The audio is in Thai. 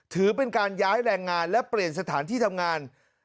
ถือเป็นการย้ายแรงงานและเปลี่ยนสถานที่ทำงาน